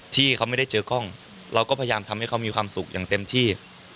ที่เขาไม่ได้เจอกล้องเราก็พยายามทำให้เขามีความสุขอย่างเต็มที่